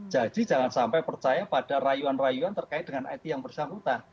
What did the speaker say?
jadi jangan sampai percaya pada rayuan rayuan terkait dengan it yang bersangkutan